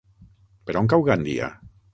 Per on cau Gandia?